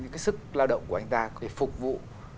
cái sức lao động của anh ta để phục vụ